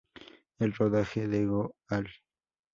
El rodaje de Goal!